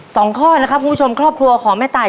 ข้อนะครับคุณผู้ชมครอบครัวของแม่ตาย